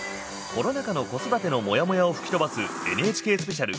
コロナ禍の子育てのモヤモヤを吹き飛ばすＮＨＫスペシャル